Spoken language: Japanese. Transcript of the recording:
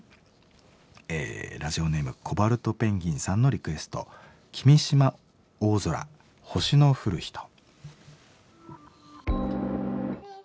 ラジオネームコバルトペンギンさんのリクエスト君島大空「星の降るひと」。